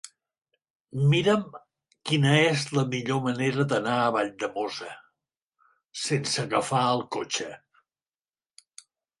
Mira'm quina és la millor manera d'anar a Valldemossa sense agafar el cotxe.